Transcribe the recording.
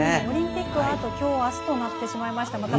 オリンピックはきょう、あすとなってしまいました。